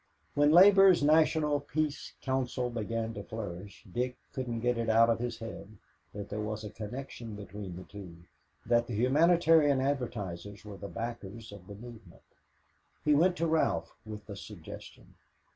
When Labor's National Peace Council began to flourish, Dick couldn't get it out of his head that there was a connection between the two, that the humanitarian advertisers were the backers of the movement. He went to Ralph with the suggestion.